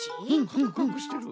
カクカクしてる。